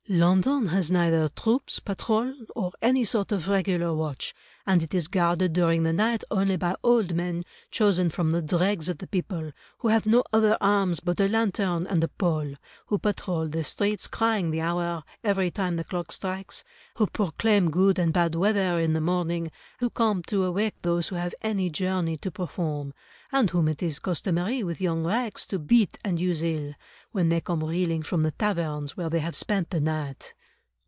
"London has neither troops, patrol, or any sort of regular watch; and it is guarded during the night only by old men chosen from the dregs of the people; who have no other arms but a lanthorn and a pole; who patrole the streets, crying the hour every time the clock strikes; who proclaim good and bad weather in the morning; who come to awake those who have any journey to perform; and whom it is customary with young rakes to beat and use ill, when they come reeling from the taverns where they have spent the night."